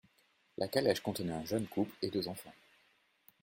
La calèche contenait un jeune couple, et deux enfants.